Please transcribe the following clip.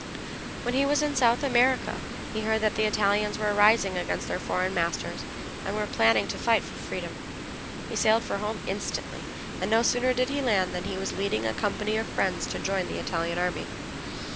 When he was in South America he heard that the Italians were rising against their foreign masters and were planning to fight for freedom. He sailed for home instantly, and no sooner did he land than he was leading a company of friends to join the Italian army.